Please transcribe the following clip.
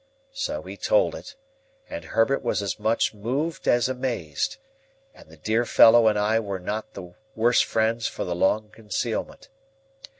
So he told it, and Herbert was as much moved as amazed, and the dear fellow and I were not the worse friends for the long concealment.